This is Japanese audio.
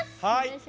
はい！